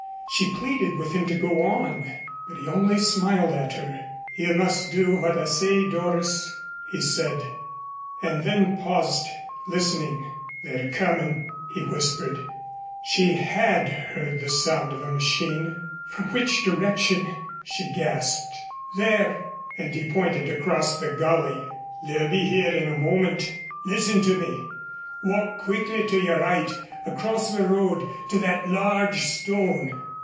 She pleaded with him to go on, but he only smiled at her. "You must do what I say, Doris," he said, and then paused, listening. "They're coming," he whispered. She had heard the sound of a machine. "From which direction?" she gasped. "There," and he pointed across the gully. "They'll be here in a moment. Listen to me! Walk quickly to your right, across the road to that large stone.